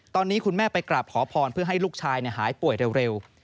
ตอนนี้คุณแม่ไปกราบขอพรเพื่อให้ลูกชายหายป่วยเร็ว